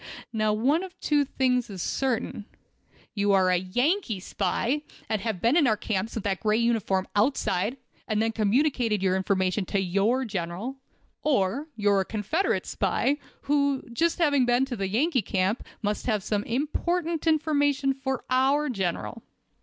Now, one of two things is certain: you are a Yankee spy, and have been in our camps with that gray uniform outside, and then communicated your information to your General, or you are a Confederate spy, who, having just been in the Yankee camp, must have important information for our General.